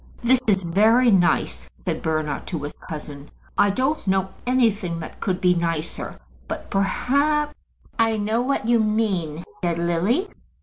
"This is very nice," said Bernard to his cousin. "I don't know anything that could be nicer; but perhaps " "I know what you mean," said Lily.